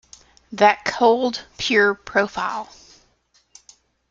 That cold, pure profile.